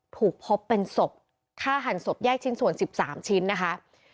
ถูกพบเป็นศพฆ่าหันศพแยกชิ้นส่วน๑๓ชิ้นนะคะ